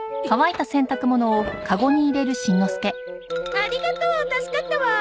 ありがとう助かったわ。